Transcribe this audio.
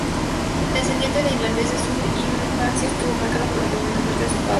Descendiente de irlandeses, su infancia estuvo marcada por la temprana muerte de su padre.